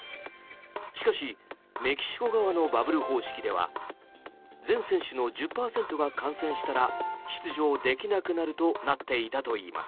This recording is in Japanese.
しかし、メキシコ側のバブル方式では全選手の１０％が感染したら出場できなくなるとなっていたといいます。